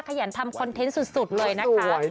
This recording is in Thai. ขยันทำคอนเทนต์สุดเลยนะคะ